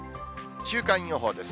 週間予報です。